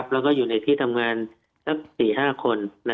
แล้วก็อยู่ในที่ทำงานสัก๔๕คน